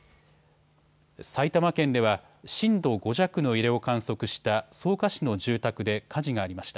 埼玉県では震度５弱の揺れを観測した草加市の住宅で火事がありました。